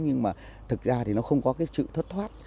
nhưng mà thực ra thì nó không có cái sự thất thoát